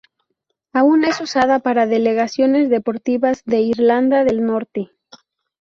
Aún es usada para delegaciones deportivas de Irlanda del Norte.